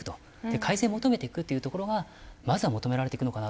改善を求めていくっていうところがまずは求められていくのかなと。